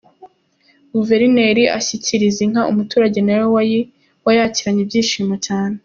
Guverineri ashyikiriza inka umuturage nawe wayakiranye ibyishimo cyane.